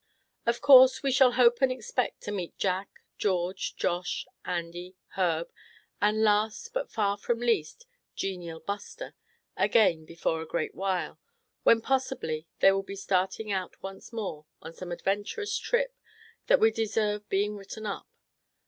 Of course we shall hope and expect to meet Jack, George, Josh, Andy, Herb, and last but far from least, genial Buster, again before a great while; when possibly they will be starting out once more on some adventurous trip that would deserve being written up.